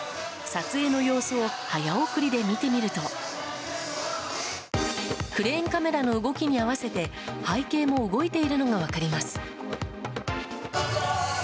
撮影の様子を早送りで見てみるとクレーンカメラの動きに合わせて背景も動いているのが分かります。